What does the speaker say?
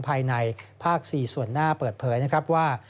ภายในภาค๔ส่วนหน้าเปิดเผยนะครับว่า